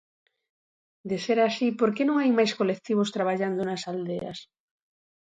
De ser así, por que non hai máis colectivos traballando nas aldeas?